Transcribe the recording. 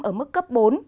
ở mức cấp bốn